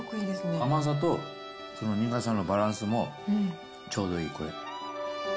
甘さとその苦さのバランスもちょうどいい。